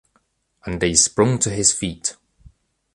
And they sprung to his feet.